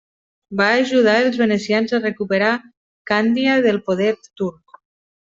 Va ajudar els venecians a recuperar Càndia del poder turc.